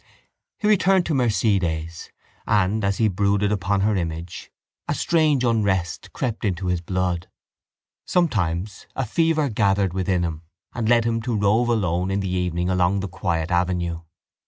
He returned to Mercedes and, as he brooded upon her image, a strange unrest crept into his blood. Sometimes a fever gathered within him and led him to rove alone in the evening along the quiet avenue.